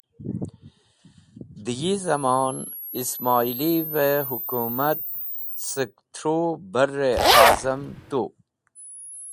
De yi Zamon Ismoilive Hukumat sẽk thru Barr e Azam Tu